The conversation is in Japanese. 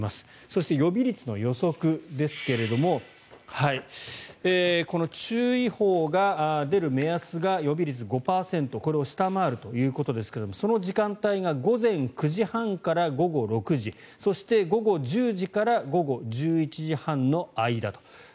そして、予備率の予測ですがこの注意報が出る目安が予備率５％これを下回るということですがその時間帯が午前９時半から午後６時そして、午後１０時から午後１１時半の間と。